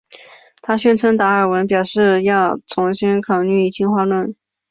她宣称达尔文表示要重新考虑进化论。